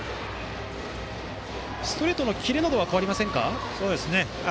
ストレートのキレなどは変わりませんか？